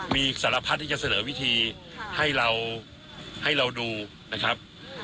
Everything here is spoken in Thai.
มีสารพัฒน์ที่จะเสนอวิธีให้เราดูนะครับ